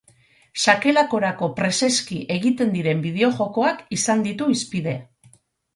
Sakelakorako preseski egiten diren bideo-jokoak izan ditu hizpide.